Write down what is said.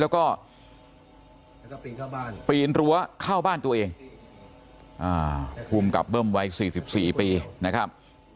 แล้วก็ปีนรั้วเข้าบ้านตัวเองผู้มกับเบิ้มไว้๔๔ปีนะครับ